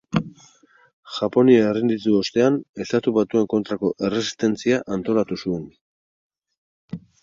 Japonia errenditu ostean, Estatu Batuen kontrako erresistentzia antolatu zuen.